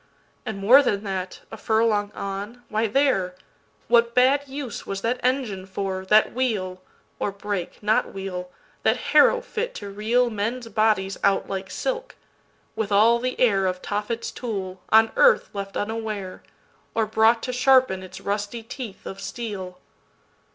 And more than that—a furlong on—why, there! What bad use was that engine for, that wheel, Or brake, not wheel—that harrow fit to reelMen's bodies out like silk? with all the airOf Tophet's tool, on earth left unaware, Or brought to sharpen its rusty teeth of steel.